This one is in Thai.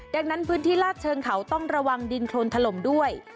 ดังนั้นพื้นที่ลาดเชิงเขาต้องระวังดินโครนถล่มด้วย